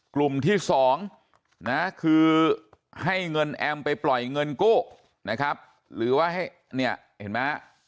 กลุ่มที่๒นะคือให้เงินแอมไปปล่อยเงินกู้นะครับหรือว่าให้เนี่ยเห็นไหมฮะ